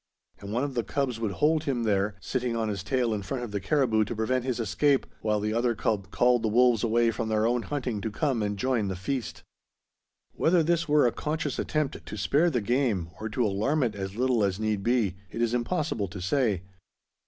And one of the cubs would hold him there, sitting on his tail in front of the caribou to prevent his escape, while the other cub called the wolves away from their own hunting to come and join the feast. Whether this were a conscious attempt to spare the game, or to alarm it as little as need be, it is impossible to say.